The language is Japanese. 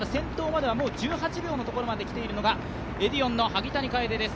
もう１８秒のところまできているのがエディオンの萩谷楓です。